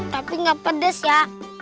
tapi gak pedes ya